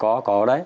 có có đấy